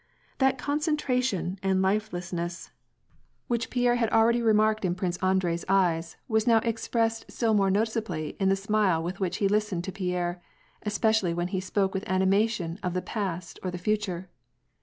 That concentration and lif elessness which Pierre had already WAR AND PEACE. 109 remarked in Prince Andrei's eyes, was now expressed still more noticeably in the smile with which he listened to Pierre, especially when he spoke with animation of the past or the future.